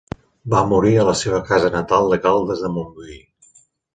Va morir a la seva casa natal de Caldes de Montbui.